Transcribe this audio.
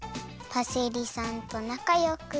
パセリさんとなかよく。